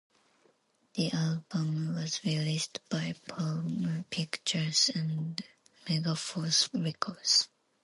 The album was released by Palm Pictures and Megaforce Records.